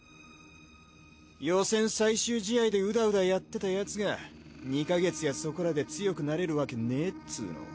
予選最終試合でうだうだやってたヤツが２か月やそこらで強くなれるわけねえっつうの。